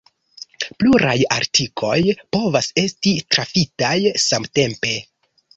Pluraj artikoj povas esti trafitaj samtempe.